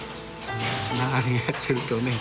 長年やってるとね。